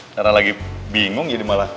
karena lagi bingung jadi malah